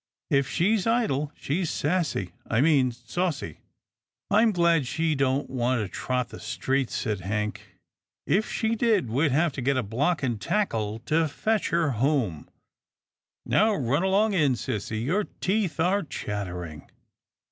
If she's idle, she's sassy — I mean saucy." " I'm glad she don't want to trot the streets," said Hank, " if she did we'd have to get a block and tackle to fetch her home — Now run along in, sissy, your teeth are chattering."